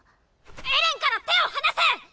エレンから手を放せ！